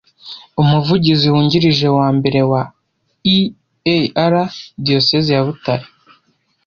Umuvugizi wungirije wa mbere wa EAR Diyoseze ya Butare